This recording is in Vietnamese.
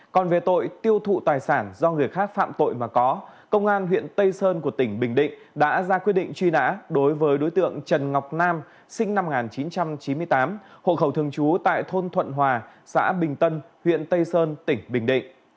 cơ quan công an đối tượng trần ngọc nam sinh năm một nghìn chín trăm chín mươi tám hộ khẩu thường trú tại thôn thuận hòa xã bình tân huyện tây sơn tỉnh bình định